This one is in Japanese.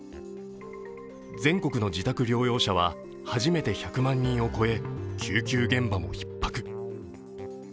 全国の自宅療養者は初めて１００万人を超え、救急現場もひっ迫。